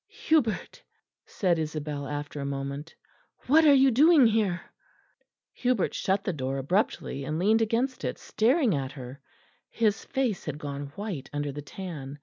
"Hubert," said Isabel after a moment, "what are you doing here?" Hubert shut the door abruptly and leaned against it, staring at her; his face had gone white under the tan.